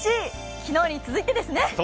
昨日に続いてですね。